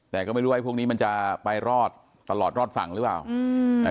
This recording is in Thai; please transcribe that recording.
แต่ก็ไม่รู้ว่าพวกนี้มันจะไปรอดตลอดรอดฝั่งหรือเปล่า